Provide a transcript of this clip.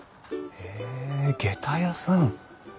へえげた屋さん。